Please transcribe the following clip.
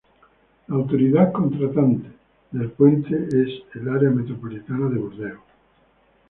La autoridad contratante del puente es el Área metropolitana de Burdeos.